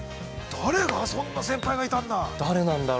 ◆誰が、そんな先輩がいたんだ。